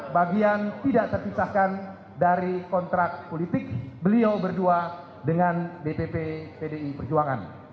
bagian tidak terpisahkan dari kontrak politik beliau berdua dengan dpp pdi perjuangan